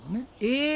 え！